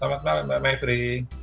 selamat malam mbak maitri